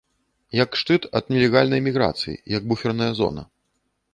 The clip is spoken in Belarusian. Як шчыт ад нелегальнай міграцыі, як буферная зона.